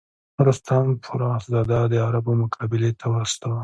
رستم فرُخ زاد د عربو مقابلې ته واستاوه.